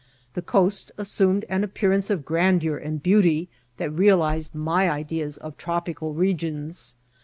The coast asso^ med an appearance of grandeur and beauty that realv ised my ideas of tropical regions.